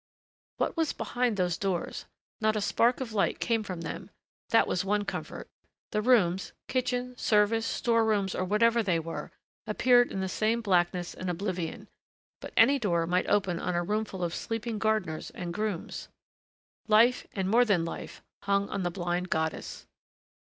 What was behind those doors? Not a spark of light came from them, that was one comfort. The rooms, kitchen, service, store rooms or whatever they were, appeared in the same blackness and oblivion.... But any door might open on a roomful of sleeping gardeners and grooms.... Life and more than life hung on the blind goddess.